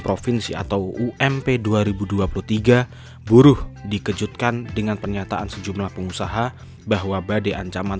provinsi atau ump dua ribu dua puluh tiga buruh dikejutkan dengan pernyataan sejumlah pengusaha bahwa badai ancaman